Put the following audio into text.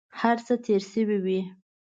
هر څه تېر شوي وي.